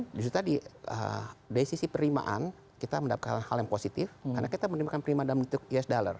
jadi tadi dari sisi perlimaan kita mendapatkan hal yang positif karena kita menerima perlimaan dalam bentuk us dollar